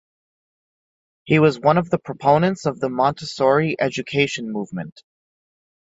He was one of the proponents of the Montessori education movement.